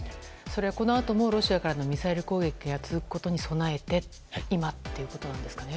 それは、このあともロシアからのミサイル攻撃が続くことに備えて、今ということですね。